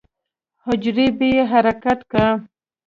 حجرې به يې حرکت کا.